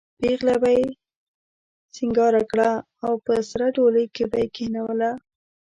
پېغله به یې سینګاره کړه او په سره ډولۍ کې به یې کېنوله.